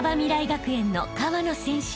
学園の川野選手］